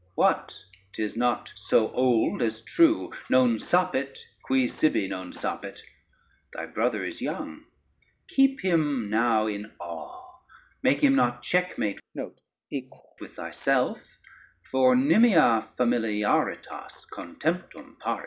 What, 'tis not so old as true, Non sapit, qui sibi non sapit. [Footnote 1: oral.] Thy brother is young, keep him now in awe; make him not checkmate with thyself, for Nimia familiaritas contemptum parit.